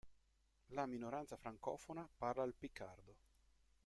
La minoranza francofona parla il piccardo.